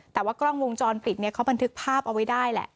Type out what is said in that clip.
แต่ว่ากล้องวงจรปิดเขาบันทึกภาพเอาไว้ได้แหละ